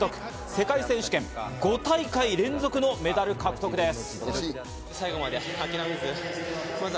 世界選手権５大会連続のメダル獲得です。